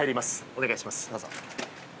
お願いします。